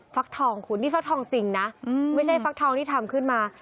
ฟักทองคุณนี่ฟักทองจริงนะไม่ใช่ฟักทองที่ทำขึ้นมา